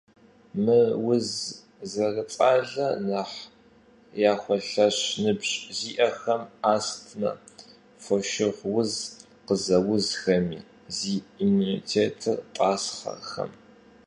Мы уз зэрыцӀалэр нэхъ яхуэлъэщ ныбжь зиӀэхэм, астмэ, фошыгъу уз къызэузхэм, зи иммунитетыр тӀасхъэхэм.